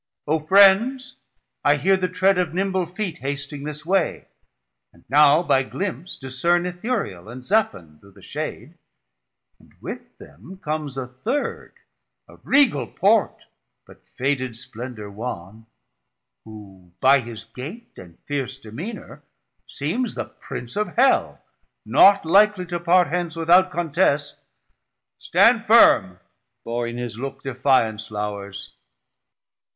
O friends, I hear the tread of nimble feet Hasting this way, and now by glimps discerne Ithuriel and Zephon through the shade, And with them comes a third of Regal port, But faded splendor wan; who by his gate 870 And fierce demeanour seems the Prince of Hell, Not likely to part hence without contest; Stand firm, for in his look defiance lours.